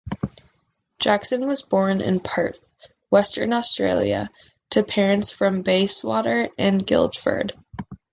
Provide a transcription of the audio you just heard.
Jackson was born in Perth, Western Australia, to parents from Bayswater and Guildford.